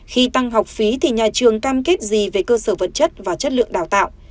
khi tăng học phí thì nhà trường cam kết gì về cơ sở vật chất và chất lượng đào tạo